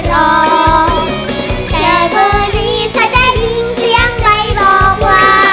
แต่เมื่อนี้จาได้ยินเสียงใบบอกว่า